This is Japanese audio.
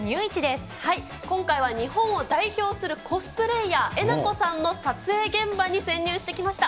今回は日本を代表するコスプレーヤー、えなこさんの撮影現場に潜入してきました。